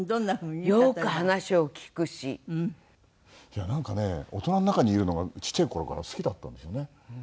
いやなんかね大人の中にいるのがちっちゃい頃から好きだったんですよね。